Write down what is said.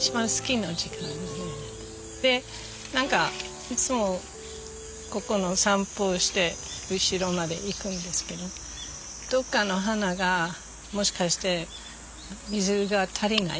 で何かいつもここの散歩して後ろまで行くんですけどどっかの花がもしかして水が足りない。